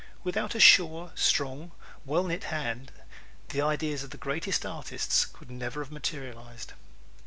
Without a sure, strong, well knit hand the ideas of the greatest artists could never have materialized.